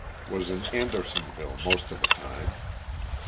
Was in Andersonville most of the time.